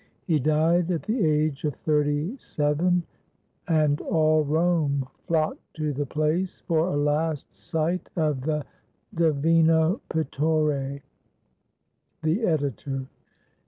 He died at the age of thirty seven, and "all Rome flocked to the place for a last sight of the 'divine pittore.'" The Editor.